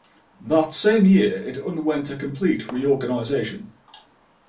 That same year, it underwent a complete reorganization.